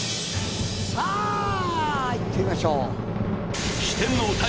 さあいってみましょう。